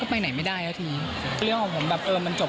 มันไม่ได้เกี่ยวข้องกับผม